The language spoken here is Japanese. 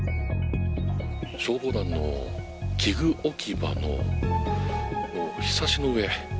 消防団の器具置き場のひさしの上